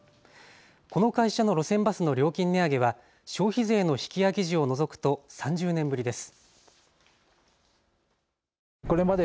この会社の路線バスの料金値上げは消費税の引き上げ時を除くと３０年ぶりです。